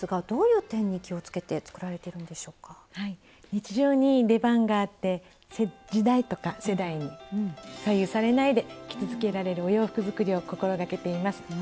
日常に出番があって時代とか世代に左右されないで着続けられるお洋服作りを心掛けています。